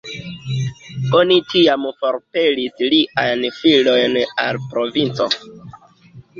Oni tiam forpelis liajn filojn al provinco.